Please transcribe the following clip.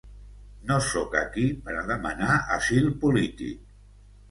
No sóc aquí per a demanar asil polític.